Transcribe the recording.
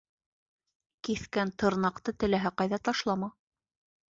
Киҫкән тырнаҡты теләһә ҡайҙа ташлама: